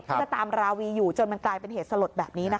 ก็จะตามราวีอยู่จนมันกลายเป็นเหตุสลดแบบนี้นะคะ